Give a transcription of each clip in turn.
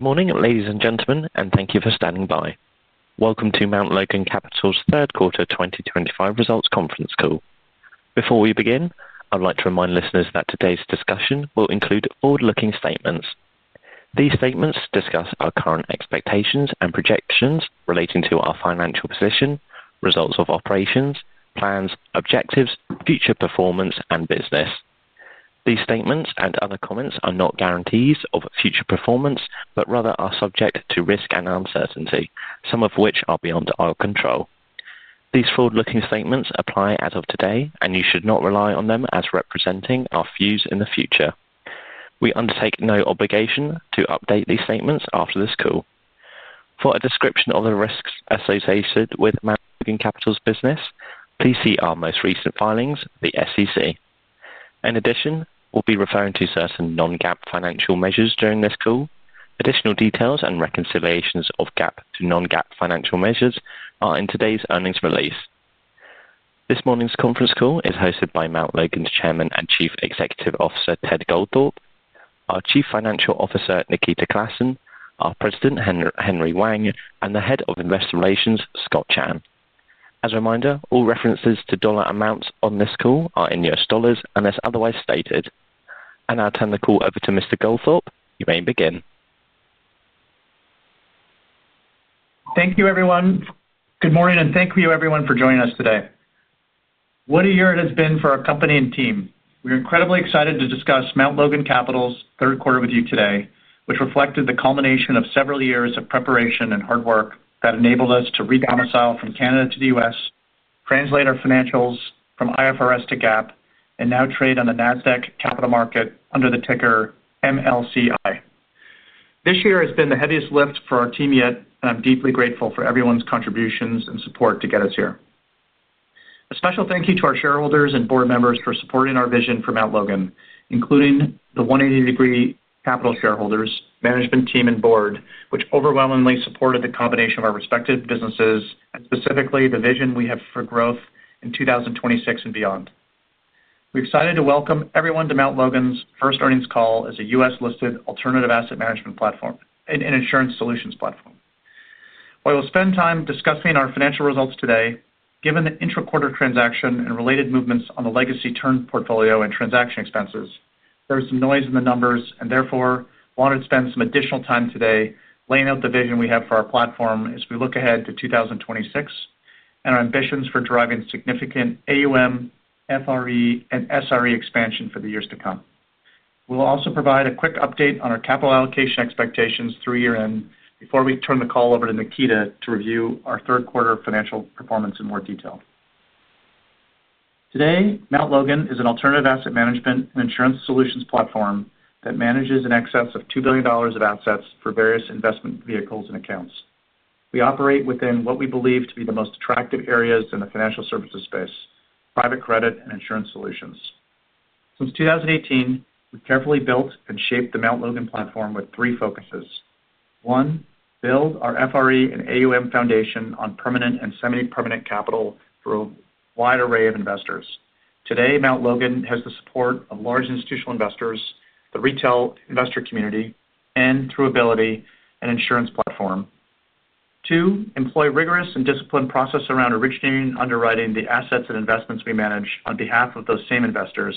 Morning, ladies and gentlemen, and thank you for standing by. Welcome to Mount Logan Capital's third quarter 2025 results conference call. Before we begin, I'd like to remind listeners that today's discussion will include forward-looking statements. These statements discuss our current expectations and projections relating to our financial position, results of operations, plans, objectives, future performance, and business. These statements and other comments are not guarantees of future performance but rather are subject to risk and uncertainty, some of which are beyond our control. These forward-looking statements apply as of today, and you should not rely on them as representing our views in the future. We undertake no obligation to update these statements after this call. For a description of the risks associated with Mount Logan Capital's business, please see our most recent filings, the SEC. In addition, we'll be referring to certain non-GAAP financial measures during this call. Additional details and reconciliations of GAAP to non-GAAP financial measures are in today's earnings release. This morning's conference call is hosted by Mount Logan's Chairman and Chief Executive Officer, Ted Goldthorpe, our Chief Financial Officer, Nikita Klassen, our President, Henry Wang, and the Head of Investor Relations, Scott Chan. As a reminder, all references to dollar amounts on this call are in U.S. dollars unless otherwise stated. I'll turn the call over to Mr. Goldthorpe. You may begin. Thank you, everyone. Good morning, and thank you, everyone, for joining us today. What a year it has been for our company and team. We're incredibly excited to discuss Mount Logan Capital's third quarter with you today, which reflected the culmination of several years of preparation and hard work that enabled us to re-domicile from Canada to the U.S., translate our financials from IFRS to GAAP, and now trade on the Nasdaq capital market under the ticker MLCI. This year has been the heaviest lift for our team yet, and I'm deeply grateful for everyone's contributions and support to get us here. A special thank you to our shareholders and board members for supporting our vision for Mount Logan, including the 180 Degree Capital shareholders, management team, and board, which overwhelmingly supported the combination of our respective businesses and specifically the vision we have for growth in 2026 and beyond. We're excited to welcome everyone to Mount Logan's first earnings call as a U.S.-listed alternative asset management platform, an insurance solutions platform. While we'll spend time discussing our financial results today, given the intra-quarter transaction and related movements on the legacy turned portfolio and transaction expenses, there was some noise in the numbers, and therefore wanted to spend some additional time today laying out the vision we have for our platform as we look ahead to 2026 and our ambitions for driving significant AUM, FRE, and SRE expansion for the years to come. We'll also provide a quick update on our capital allocation expectations through year-end before we turn the call over to Nikita to review our third quarter financial performance in more detail. Today, Mount Logan is an alternative asset management and insurance solutions platform that manages in excess of $2 billion of assets for various investment vehicles and accounts. We operate within what we believe to be the most attractive areas in the financial services space: private credit and insurance solutions. Since 2018, we've carefully built and shaped the Mount Logan platform with three focuses. One, build our FRE and AUM foundation on permanent and semi-permanent capital for a wide array of investors. Today, Mount Logan has the support of large institutional investors, the retail investor community, and through Ability an insurance platform. Two, employ rigorous and disciplined processes around originating and underwriting the assets and investments we manage on behalf of those same investors.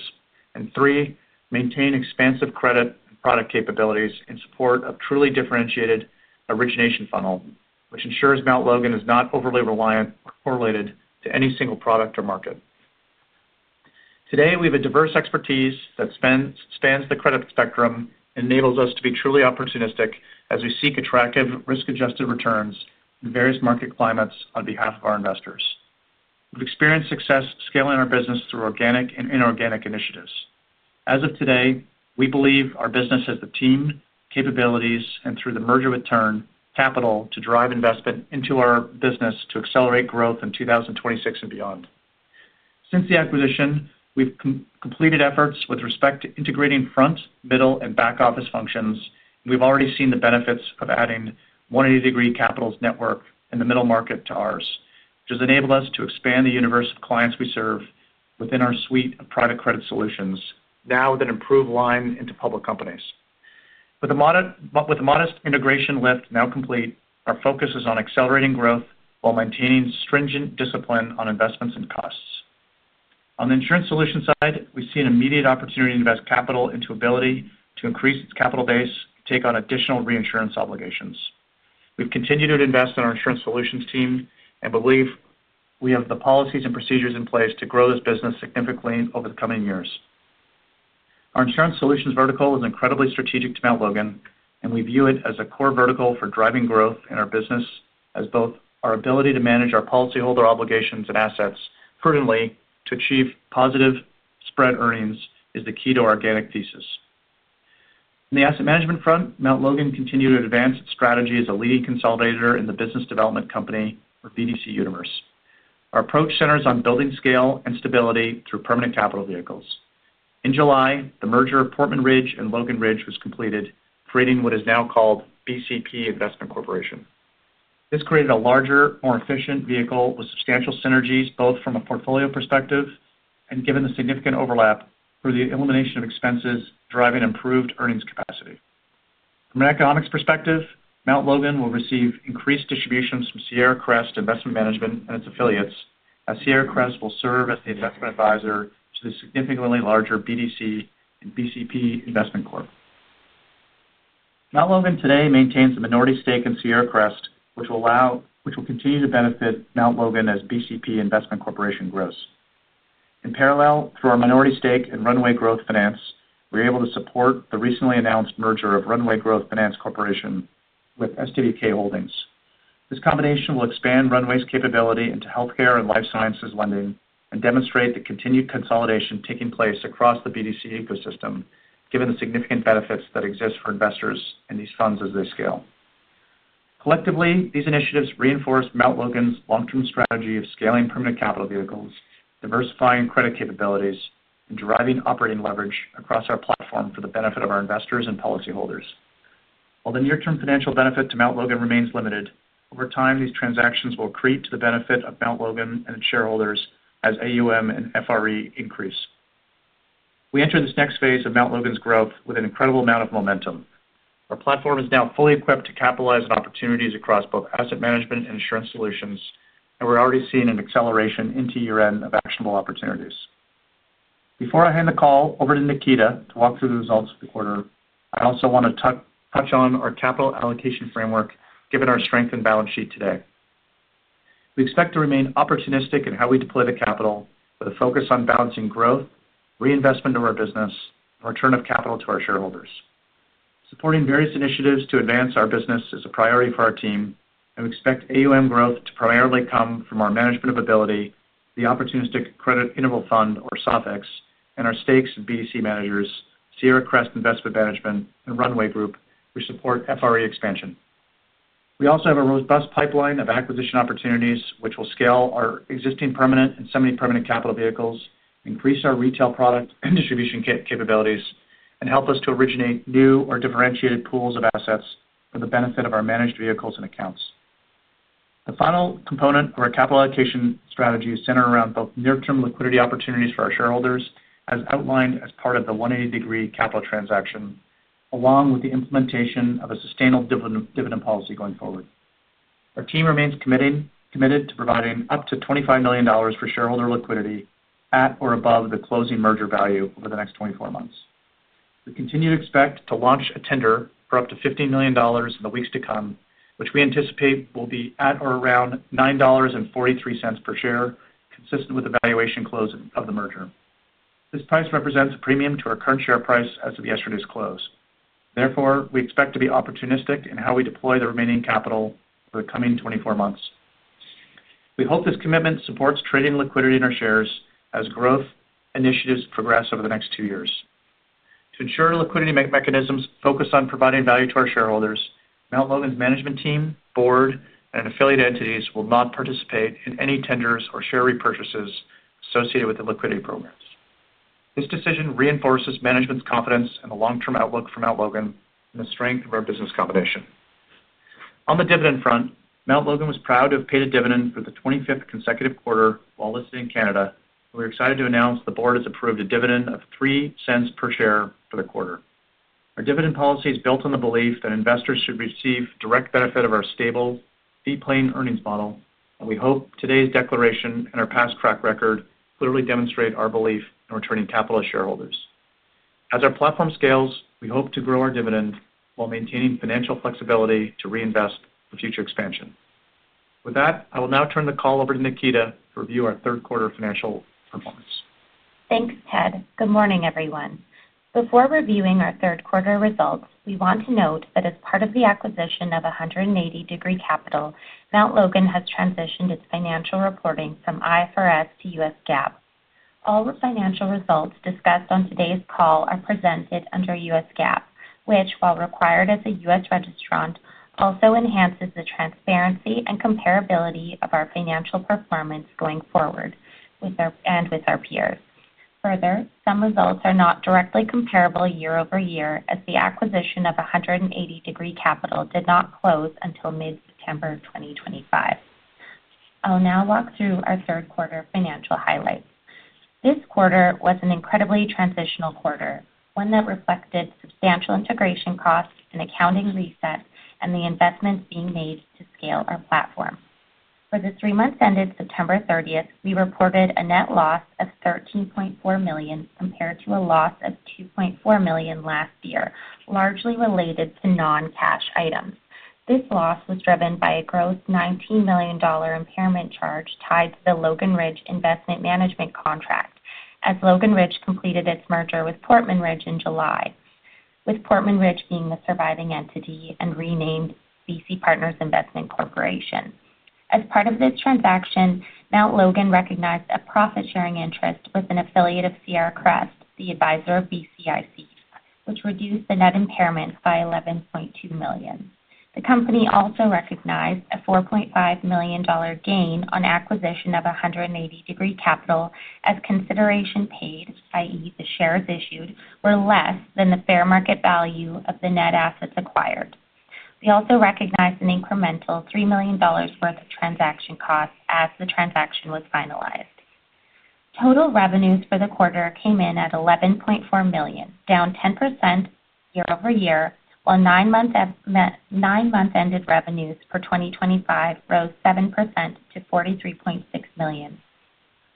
Three, maintain expansive credit and product capabilities in support of a truly differentiated origination funnel, which ensures Mount Logan is not overly reliant or correlated to any single product or market. Today, we have a diverse expertise that spans the credit spectrum and enables us to be truly opportunistic as we seek attractive risk-adjusted returns in various market climates on behalf of our investors. We have experienced success scaling our business through organic and inorganic initiatives. As of today, we believe our business has the team, capabilities, and through the merger with Turn Capital, to drive investment into our business to accelerate growth in 2026 and beyond. Since the acquisition, we've completed efforts with respect to integrating front, middle, and back office functions, and we've already seen the benefits of adding 180 Degree Capital's network in the middle market to ours, which has enabled us to expand the universe of clients we serve within our suite of private credit solutions, now with an improved line into public companies. With a modest integration lift now complete, our focus is on accelerating growth while maintaining stringent discipline on investments and costs. On the insurance solution side, we see an immediate opportunity to invest capital into Ability to increase its capital base and take on additional reinsurance obligations. We've continued to invest in our insurance solutions team and believe we have the policies and procedures in place to grow this business significantly over the coming years. Our insurance solutions vertical is incredibly strategic to Mount Logan, and we view it as a core vertical for driving growth in our business, as both our ability to manage our policyholder obligations and assets prudently to achieve positive spread earnings is the key to our organic thesis. On the asset management front, Mount Logan continued to advance its strategy as a leading consolidator in the business development company for BDC Universe. Our approach centers on building scale and stability through permanent capital vehicles. In July, the merger of Portman Ridge and Logan Ridge was completed, creating what is now called BCP Investment Corporation. This created a larger, more efficient vehicle with substantial synergies both from a portfolio perspective and given the significant overlap through the elimination of expenses driving improved earnings capacity. From an economics perspective, Mount Logan will receive increased distributions from Sierra Crest Investment Management and its affiliates, as Sierra Crest will serve as the investment advisor to the significantly larger BDC and BCP Investment Corporation. Mount Logan today maintains a minority stake in Sierra Crest, which will continue to benefit Mount Logan as BCP Investment Corporation grows. In parallel, through our minority stake in Runway Growth Finance, we're able to support the recently announced merger of Runway Growth Finance Corporation with SWK Holdings. This combination will expand Runway's capability into healthcare and life sciences lending and demonstrate the continued consolidation taking place across the BDC ecosystem, given the significant benefits that exist for investors in these funds as they scale. Collectively, these initiatives reinforce Mount Logan's long-term strategy of scaling permanent capital vehicles, diversifying credit capabilities, and deriving operating leverage across our platform for the benefit of our investors and policyholders. While the near-term financial benefit to Mount Logan remains limited, over time, these transactions will accrete to the benefit of Mount Logan and its shareholders as AUM and FRE increase. We enter this next phase of Mount Logan's growth with an incredible amount of momentum. Our platform is now fully equipped to capitalize on opportunities across both asset management and insurance solutions, and we're already seeing an acceleration into year-end of actionable opportunities. Before I hand the call over to Nikita to walk through the results of the quarter, I also want to touch on our capital allocation framework given our strength and balance sheet today. We expect to remain opportunistic in how we deploy the capital, with a focus on balancing growth, reinvestment of our business, and return of capital to our shareholders. Supporting various initiatives to advance our business is a priority for our team, and we expect AUM growth to primarily come from our management of Ability, the opportunistic credit interval fund, or SOFX, and our stakes in BDC managers, Sierra Crest Investment Management, and Runway Group, which support FRE expansion. We also have a robust pipeline of acquisition opportunities, which will scale our existing permanent and semi-permanent capital vehicles, increase our retail product and distribution capabilities, and help us to originate new or differentiated pools of assets for the benefit of our managed vehicles and accounts. The final component of our capital allocation strategy is centered around both near-term liquidity opportunities for our shareholders, as outlined as part of the 180 Degree Capital transaction, along with the implementation of a sustainable dividend policy going forward. Our team remains committed to providing up to $25 million for shareholder liquidity at or above the closing merger value over the next 24 months. We continue to expect to launch a tender for up to $15 million in the weeks to come, which we anticipate will be at or around $9.43 per share, consistent with the valuation close of the merger. This price represents a premium to our current share price as of yesterday's close. Therefore, we expect to be opportunistic in how we deploy the remaining capital for the coming 24 months. We hope this commitment supports trading liquidity in our shares as growth initiatives progress over the next two years. To ensure liquidity mechanisms focus on providing value to our shareholders, Mount Logan's management team, board, and affiliate entities will not participate in any tenders or share repurchases associated with the liquidity programs. This decision reinforces management's confidence in the long-term outlook for Mount Logan and the strength of our business combination. On the dividend front, Mount Logan was proud to have paid a dividend for the 25th consecutive quarter while listed in Canada, and we're excited to announce the board has approved a dividend of $0.03 per share for the quarter. Our dividend policy is built on the belief that investors should receive direct benefit of our stable, fee-paying earnings model, and we hope today's declaration and our past track record clearly demonstrate our belief in returning capital to shareholders. As our platform scales, we hope to grow our dividend while maintaining financial flexibility to reinvest for future expansion. With that, I will now turn the call over to Nikita to review our third quarter financial performance. Thanks, Ted. Good morning, everyone. Before reviewing our third quarter results, we want to note that as part of the acquisition of 180 Degree Capital, Mount Logan has transitioned its financial reporting from IFRS to U.S. GAAP. All the financial results discussed on today's call are presented under U.S. GAAP, which, while required as a U.S. registrant, also enhances the transparency and comparability of our financial performance going forward and with our peers. Further, some results are not directly comparable year-over-year, as the acquisition of 180 Degree Capital did not close until mid-September 2025. I'll now walk through our third quarter financial highlights. This quarter was an incredibly transitional quarter, one that reflected substantial integration costs and accounting reset and the investments being made to scale our platform. For the three months ended September 30th, we reported a net loss of $13.4 million compared to a loss of $2.4 million last year, largely related to non-cash items. This loss was driven by a gross $19 million impairment charge tied to the Logan Ridge Investment Management contract, as Logan Ridge completed its merger with Portman Ridge in July, with Portman Ridge being the surviving entity and renamed BC Partners Investment Corporation. As part of this transaction, Mount Logan recognized a profit-sharing interest with an affiliate of Sierra Crest, the advisor of BC Partners Investment Corporation, which reduced the net impairment by $11.2 million. The company also recognized a $4.5 million gain on acquisition of 180 Degree Capital as consideration paid, i.e., the shares issued, were less than the fair market value of the net assets acquired. We also recognized an incremental $3 million worth of transaction costs as the transaction was finalized. Total revenues for the quarter came in at $11.4 million, down 10% year-over-year, while nine-month-ended revenues for 2025 rose 7% to $43.6 million.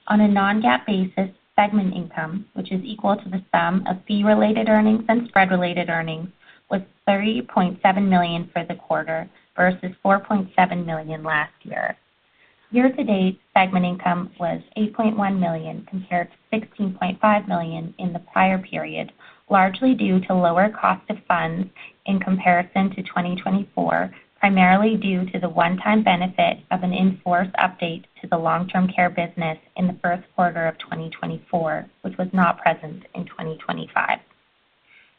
On a non-GAAP basis, segment income, which is equal to the sum of fee-related earnings and spread-related earnings, was $30.7 million for the quarter versus $4.7 million last year. Year-to-date, segment income was $8.1 million compared to $16.5 million in the prior period, largely due to lower cost of funds in comparison to 2024, primarily due to the one-time benefit of an enforced update to the long-term care business in the first quarter of 2024, which was not present in 2025.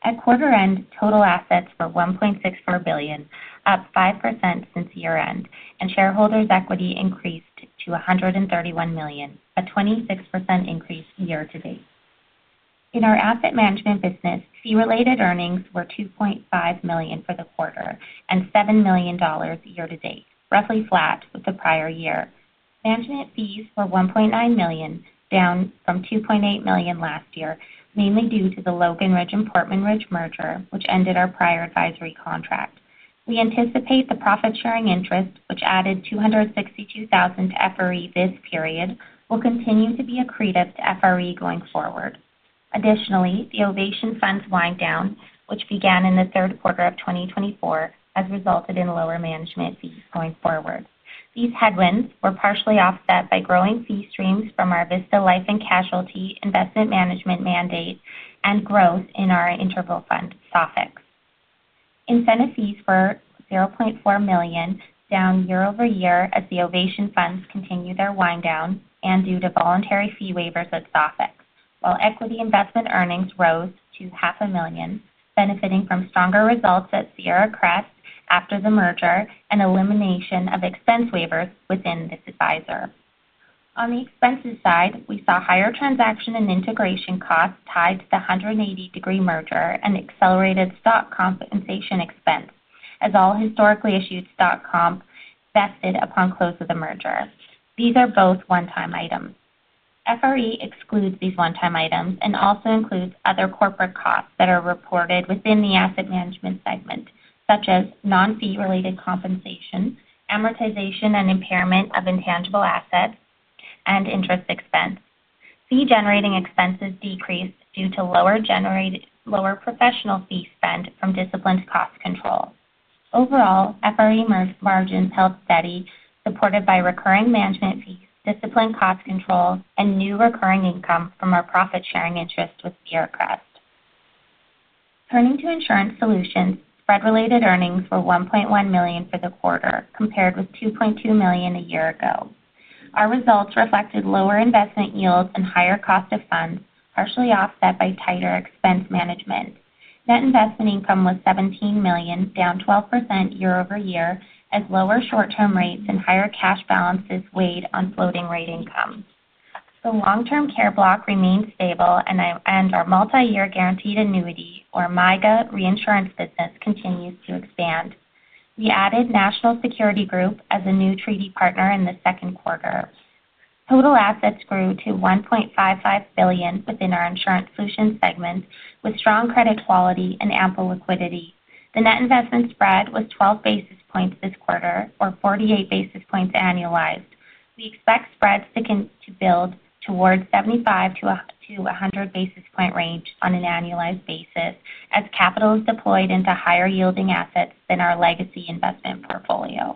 At quarter-end, total assets were $1.64 billion, up 5% since year-end, and shareholders' equity increased to $131 million, a 26% increase year-to-date. In our asset management business, fee-related earnings were $2.5 million for the quarter and $7 million year-to-date, roughly flat with the prior year. Management fees were $1.9 million, down from $2.8 million last year, mainly due to the Logan Ridge and Portman Ridge merger, which ended our prior advisory contract. We anticipate the profit-sharing interest, which added $262,000 to FRE this period, will continue to be accretive to FRE going forward. Additionally, the Ovation Funds wind down, which began in the third quarter of 2024, has resulted in lower management fees going forward. These headwinds were partially offset by growing fee streams from our Vista Life and Casualty Investment Management mandate and growth in our interval fund, SOFX. Incentive fees were $0.4 million, down year-over-year as the Ovation Funds continue their wind down and due to voluntary fee waivers at SOFX, while equity investment earnings rose to $500,000, benefiting from stronger results at Sierra Crest after the merger and elimination of expense waivers within this advisor. On the expenses side, we saw higher transaction and integration costs tied to the 180 Degree merger and accelerated stock compensation expense, as all historically issued stock comp vested upon close of the merger. These are both one-time items. FRE excludes these one-time items and also includes other corporate costs that are reported within the asset management segment, such as non-fee-related compensation, amortization and impairment of intangible assets, and interest expense. Fee-generating expenses decreased due to lower professional fee spend from disciplined cost control. Overall, FRE margins held steady, supported by recurring management fees, disciplined cost control, and new recurring income from our profit-sharing interest with Sierra Crest. Turning to insurance solutions, spread-related earnings were $1.1 million for the quarter, compared with $2.2 million a year ago. Our results reflected lower investment yields and higher cost of funds, partially offset by tighter expense management. Net investment income was $17 million, down 12% year-over-year, as lower short-term rates and higher cash balances weighed on floating-rate income. The long-term care block remained stable, and our multi-year guaranteed annuity, or MIGA, reinsurance business continues to expand. We added National Security Group as a new treaty partner in the second quarter. Total assets grew to $1.55 billion within our insurance solutions segment, with strong credit quality and ample liquidity. The net investment spread was 12 basis points this quarter, or 48 basis points annualized. We expect spreads to build towards the 75-100 basis point range on an annualized basis, as capital is deployed into higher-yielding assets than our legacy investment portfolio.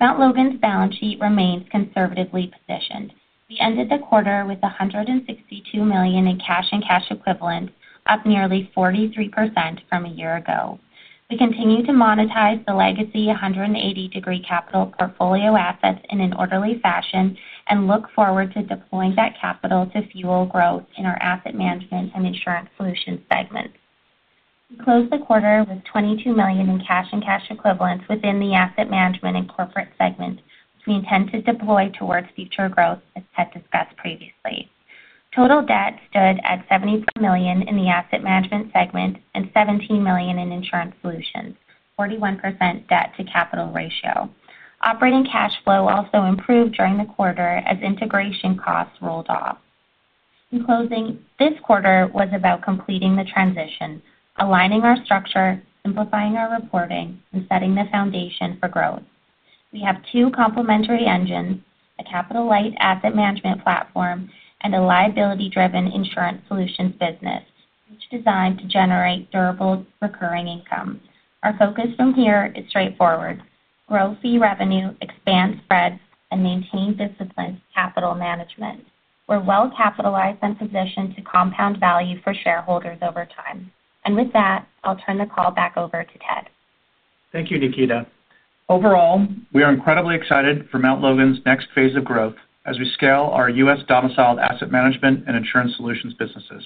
Mount Logan's balance sheet remains conservatively positioned. We ended the quarter with $162 million in cash and cash equivalents, up nearly 43% from a year ago. We continue to monetize the legacy 180 Degree Capital portfolio assets in an orderly fashion and look forward to deploying that capital to fuel growth in our asset management and insurance solutions segments. We closed the quarter with $22 million in cash and cash equivalents within the asset management and corporate segment, which we intend to deploy towards future growth, as Ted discussed previously. Total debt stood at $74 million in the asset management segment and $17 million in insurance solutions, 41% debt-to-capital ratio. Operating cash flow also improved during the quarter as integration costs rolled off. In closing, this quarter was about completing the transition, aligning our structure, simplifying our reporting, and setting the foundation for growth. We have two complementary engines, a capital-light asset management platform and a liability-driven insurance solutions business, each designed to generate durable recurring income. Our focus from here is straightforward: grow fee revenue, expand spreads, and maintain disciplined capital management. We are well-capitalized and positioned to compound value for shareholders over time. With that, I'll turn the call back over to Ted. Thank you, Nikita. Overall, we are incredibly excited for Mount Logan's next phase of growth as we scale our U.S. domiciled asset management and insurance solutions businesses.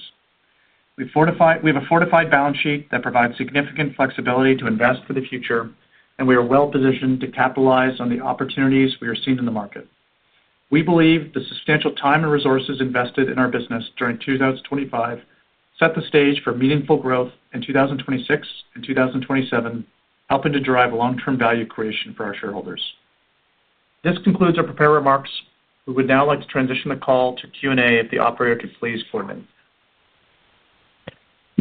We have a fortified balance sheet that provides significant flexibility to invest for the future, and we are well-positioned to capitalize on the opportunities we are seeing in the market. We believe the substantial time and resources invested in our business during 2025 set the stage for meaningful growth in 2026 and 2027, helping to drive long-term value creation for our shareholders. This concludes our prepared remarks. We would now like to transition the call to Q&A if the operator could please join in.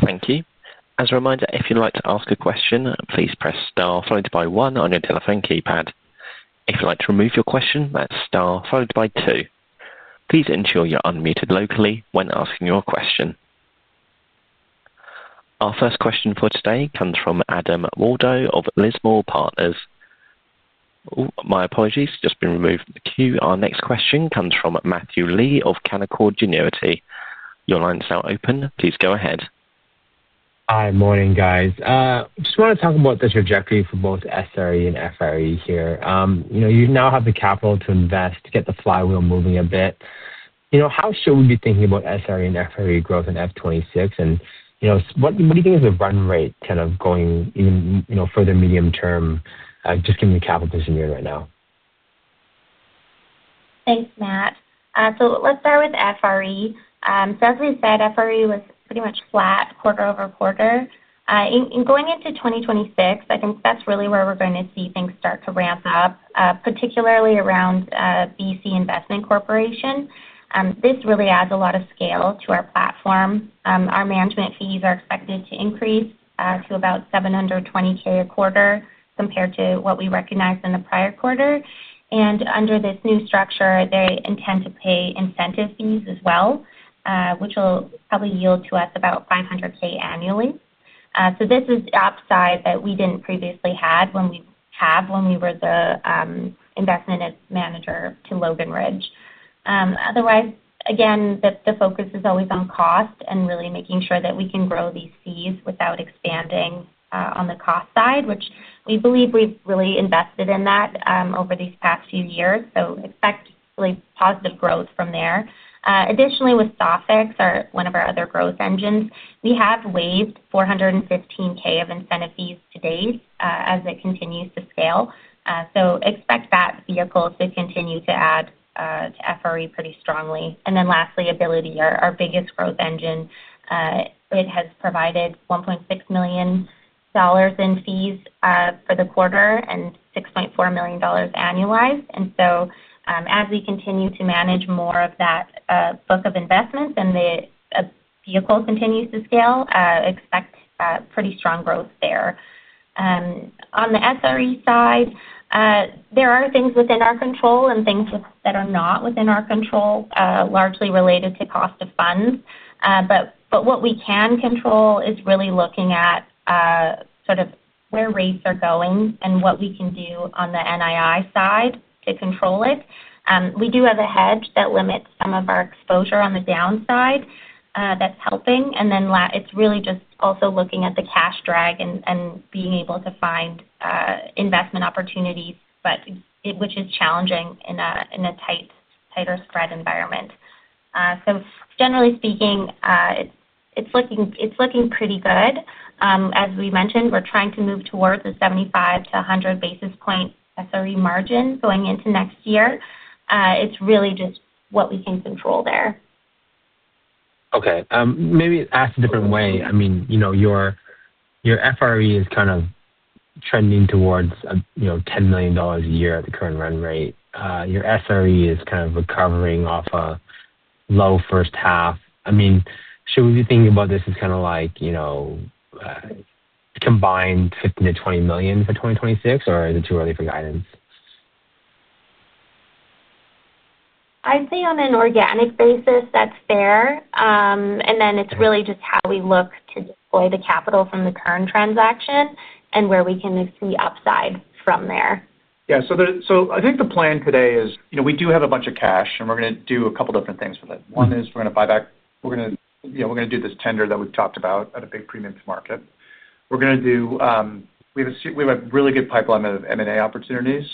Thank you. As a reminder, if you'd like to ask a question, please press Star followed by 1 on your telephone keypad. If you'd like to remove your question, press star followed by two. Please ensure you're unmuted locally when asking your question. Our first question for today comes from Adam Waldo of Lismore Partners. My apologies, just been removed from the queue. Our next question comes from Matthew Lee of Canaccord Genuity. Your lines are open. Please go ahead. Hi, morning, guys. I just want to talk about the trajectory for both SRE and FRE here. You now have the capital to invest, get the flywheel moving a bit. How should we be thinking about SRE and FRE growth in F26? What do you think is the run rate kind of going for the medium term, just given the capital position you're in right now? Thanks, Matt. Let's start with FRE. As we said, FRE was pretty much flat quarter-over-quarter. In going into 2026, I think that's really where we're going to see things start to ramp up, particularly around BC Partners Investment Corporation. This really adds a lot of scale to our platform. Our management fees are expected to increase to about $720,000 a quarter compared to what we recognized in the prior quarter. Under this new structure, they intend to pay incentive fees as well, which will probably yield to us about $500,000 annually. This is the upside that we didn't previously have when we were the investment manager to Logan Ridge. Otherwise, again, the focus is always on cost and really making sure that we can grow these fees without expanding on the cost side, which we believe we have really invested in that over these past few years. Expect really positive growth from there. Additionally, with SOFX, one of our other growth engines, we have waived $415,000 of incentive fees to date as it continues to scale. Expect that vehicle to continue to add to FRE pretty strongly. Lastly, Ability, our biggest growth engine, has provided $1.6 million in fees for the quarter and $6.4 million annualized. As we continue to manage more of that book of investments and the vehicle continues to scale, expect pretty strong growth there. On the SRE side, there are things within our control and things that are not within our control, largely related to cost of funds. What we can control is really looking at sort of where rates are going and what we can do on the NII side to control it. We do have a hedge that limits some of our exposure on the downside that is helping. It is really just also looking at the cash drag and being able to find investment opportunities, which is challenging in a tighter spread environment. Generally speaking, it is looking pretty good. As we mentioned, we are trying to move towards a 75-100 basis point SRE margin going into next year. It is really just what we can control there. Okay. Maybe ask a different way. I mean, your FRE is kind of trending towards $10 million a year at the current run rate. Your SRE is kind of recovering off a low first half. I mean, should we be thinking about this as kind of like combined $15-$20 million for 2026, or is it too early for guidance? I'd say on an organic basis, that's fair. It is really just how we look to deploy the capital from the current transaction and where we can see upside from there. Yeah. I think the plan today is we do have a bunch of cash, and we're going to do a couple of different things with it. One is we're going to buy back, we're going to do this tender that we've talked about at a big premium market. We have a really good pipeline of M&A opportunities.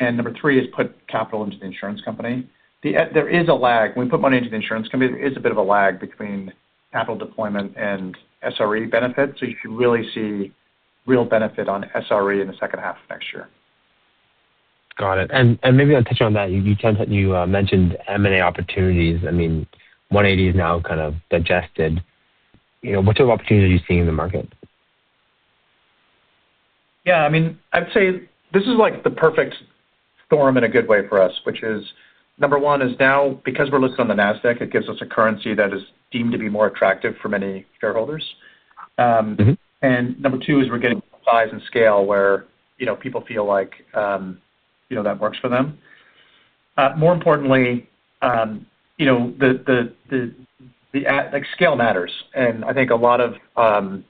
Number three is put capital into the insurance company. There is a lag. When we put money into the insurance company, there is a bit of a lag between capital deployment and SRE benefits. You should really see real benefit on SRE in the second half of next year. Got it. Maybe I'll touch on that. You mentioned M&A opportunities. I mean, 180 is now kind of digested. What sort of opportunities are you seeing in the market? Yeah. I mean, I'd say this is like the perfect storm in a good way for us, which is number one is now, because we're listed on the Nasdaq, it gives us a currency that is deemed to be more attractive for many shareholders. Number two is we're getting size and scale where people feel like that works for them. More importantly, the scale matters. I think a lot of the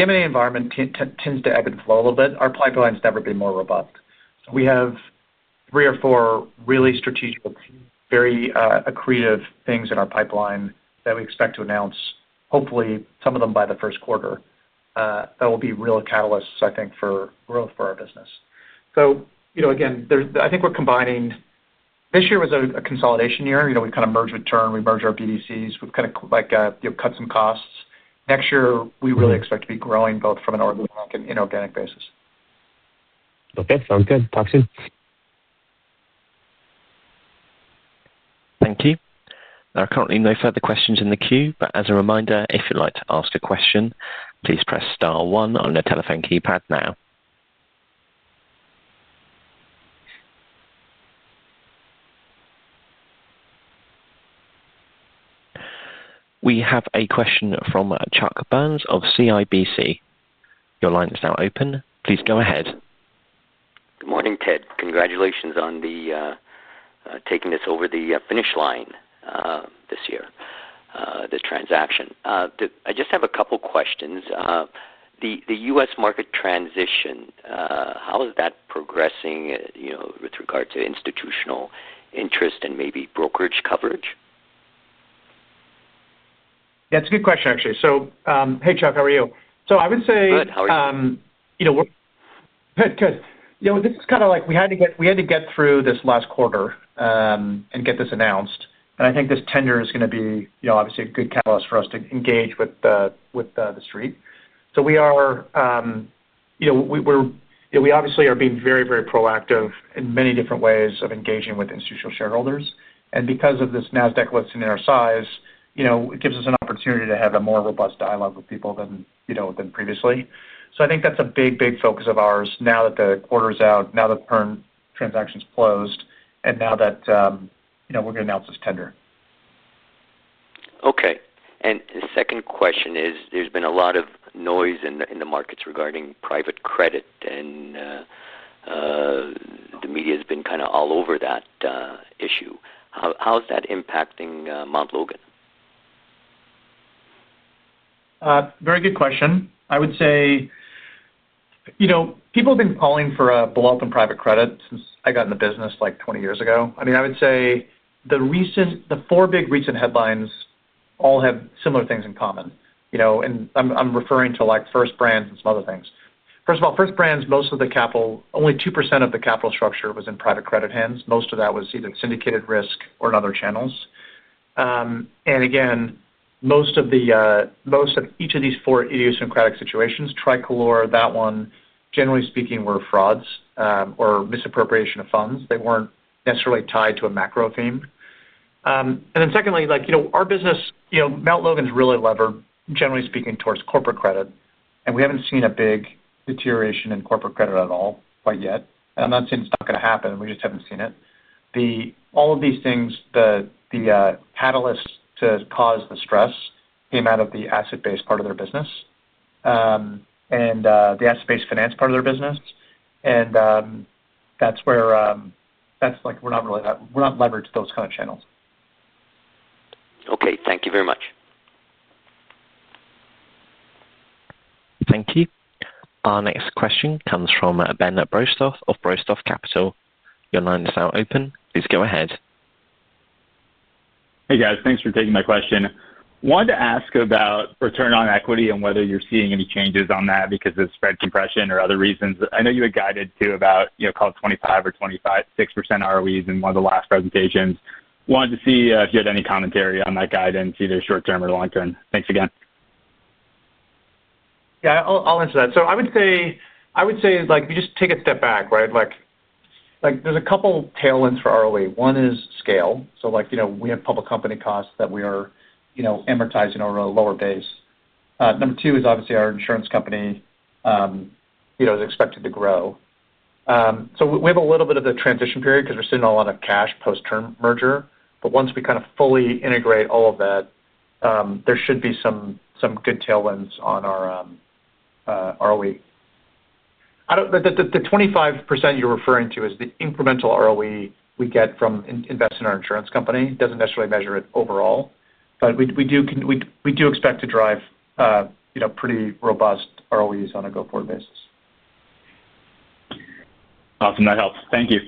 M&A environment tends to ebb and flow a little bit. Our pipeline has never been more robust. We have three or four really strategic, very accretive things in our pipeline that we expect to announce, hopefully some of them by the first quarter. That will be real catalysts, I think, for growth for our business. Again, I think we're combining. This year was a consolidation year. We kind of merged with turn. We merged our BDCs. We've kind of cut some costs. Next year, we really expect to be growing both from an organic and inorganic basis. Okay. Sounds good. Talk soon. Thank you. There are currently no further questions in the queue, but as a reminder, if you'd like to ask a question, please press star one on your telephone keypad now. We have a question from Chuck Burns of CIBC. Your line is now open. Please go ahead. Good morning, Ted. Congratulations on taking this over the finish line this year, the transaction. I just have a couple of questions. The U.S. market transition, how is that progressing with regard to institutional interest and maybe brokerage coverage? Yeah. It's a good question, actually. Hey, Chuck, how are you? I would say. Good. How are you? Good. Good. This is kind of like we had to get through this last quarter and get this announced. I think this tender is going to be obviously a good catalyst for us to engage with the street. We are obviously being very, very proactive in many different ways of engaging with institutional shareholders. Because of this Nasdaq listing and our size, it gives us an opportunity to have a more robust dialogue with people than previously. I think that's a big, big focus of ours now that the quarter is out, now that the current transaction is closed, and now that we're going to announce this tender. Okay. The second question is there's been a lot of noise in the markets regarding private credit, and the media has been kind of all over that issue. How is that impacting Mount Logan? Very good question. I would say people have been calling for a bulk of private credit since I got in the business like 20 years ago. I mean, I would say the four big recent headlines all have similar things in common. I am referring to First Brand and some other things. First of all, First Brand, most of the capital, only 2% of the capital structure was in private credit hands. Most of that was either syndicated risk or in other channels. Again, most of each of these four idiosyncratic situations, Tricolor, that one, generally speaking, were frauds or misappropriation of funds. They were not necessarily tied to a macro theme. Secondly, our business, Mount Logan, is really levered, generally speaking, towards corporate credit. We have not seen a big deterioration in corporate credit at all quite yet. I am not saying it is not going to happen. We just haven't seen it. All of these things, the catalysts to cause the stress came out of the asset-based part of their business and the asset-based finance part of their business. That is where we're not leveraged, those kind of channels. Okay. Thank you very much. Thank you. Our next question comes from Ben Broadstorff of Broadstorff Capital. Your line is now open. Please go ahead. Hey, guys. Thanks for taking my question. Wanted to ask about return on equity and whether you're seeing any changes on that because of spread compression or other reasons. I know you had guided to about, call it, 25% or 26% ROEs in one of the last presentations. Wanted to see if you had any commentary on that guidance, either short-term or long-term. Thanks again. Yeah. I'll answer that. I would say if you just take a step back, right, there's a couple of tailwinds for ROE. One is scale. We have public company costs that we are amortizing over a lower base. Number two is obviously our insurance company is expected to grow. We have a little bit of a transition period because we're sitting on a lot of cash post-term merger. Once we kind of fully integrate all of that, there should be some good tailwinds on our ROE. The 25% you're referring to is the incremental ROE we get from investing in our insurance company. It doesn't necessarily measure it overall, but we do expect to drive pretty robust ROEs on a go-forward basis. Awesome. That helps. Thank you.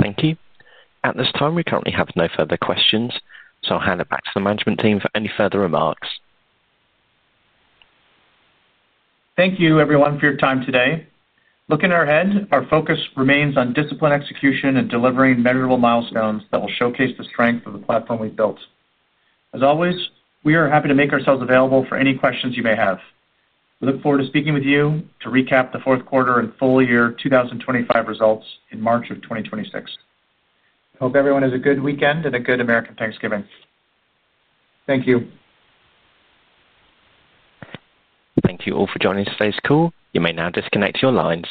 Thank you. At this time, we currently have no further questions. I'll hand it back to the management team for any further remarks. Thank you, everyone, for your time today. Looking ahead, our focus remains on disciplined execution and delivering measurable milestones that will showcase the strength of the platform we've built. As always, we are happy to make ourselves available for any questions you may have. We look forward to speaking with you to recap the fourth quarter and full year 2025 results in March of 2026. I hope everyone has a good weekend and a good American Thanksgiving. Thank you. Thank you all for joining us today's call. You may now disconnect your lines.